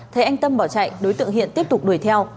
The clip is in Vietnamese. thấy anh tâm bỏ chạy đối tượng hiện tiếp tục đuổi theo